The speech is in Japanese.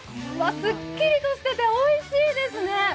すっきりとしていておいしいですね。